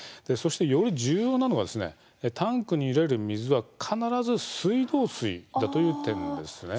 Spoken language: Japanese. そして、より重要なのがタンクに入れる水は必ず水道水だという点です。